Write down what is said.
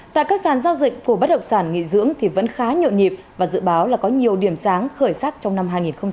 tại các sàn giao dịch của bất động sản nghỉ dưỡng thì vẫn khá nhộn nhịp và dự báo là có nhiều điểm sáng khởi sắc trong năm hai nghìn hai mươi